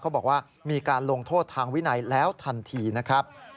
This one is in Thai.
บอกว่ามีการลงโทษทางวินัยแล้วทันทีนะครับ